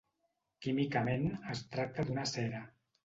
Químicament es tracta d’una cera.